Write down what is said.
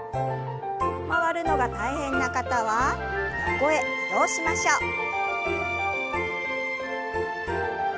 回るのが大変な方は横へ移動しましょう。